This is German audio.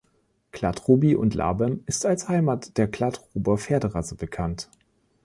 Kladruby nad Labem ist als Heimat der Kladruber Pferderasse bekannt.